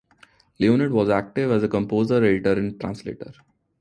Leonid was active as a composer, editor, and translator.